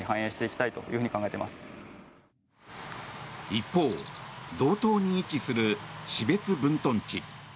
一方、道東に位置する標津分屯地。